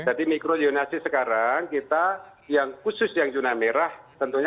jadi mikro yunasi sekarang kita yang khusus yang yunan merah tentunya